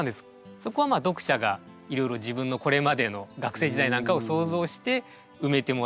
そこは読者がいろいろ自分のこれまでの学生時代なんかを想像して埋めてもらえたらなと。